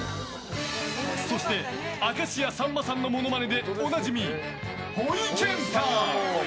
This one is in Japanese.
そして、明石家さんまさんのものまねでおなじみ、ほいけんた。